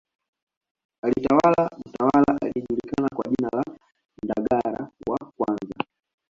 Alitawala mtawala aliyejulikana kwa jina la Ndagara wa kwanza